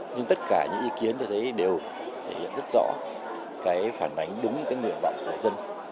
nhưng tất cả những ý kiến tôi thấy đều thể hiện rất rõ cái phản ánh đúng cái nguyện vọng của dân